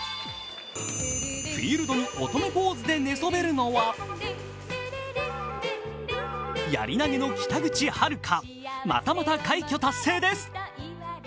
フィールドに乙女ポーズで寝そべるのは、やり投げの北口榛花またまた快挙達成です。